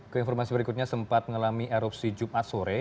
keinformasi berikutnya sempat mengalami erupsi jumat sore